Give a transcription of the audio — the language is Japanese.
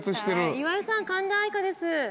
岩井さん神田愛花です。